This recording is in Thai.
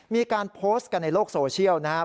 มีการโพสต์กันในโลกโซเชียลนะครับ